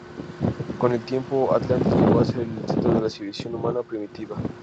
Con el tiempo, Atlantis llegó a ser el centro de la civilización humana primitiva.